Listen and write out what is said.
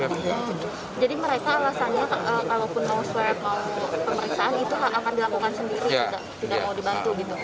jadi mereka alasannya kalau mau swab mau pemeriksaan itu akan dilakukan sendiri tidak mau dibantu gitu